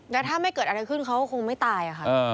แล้วถ้าไม่เกิดอะไรขึ้นเขาก็คงไม่ตายค่ะ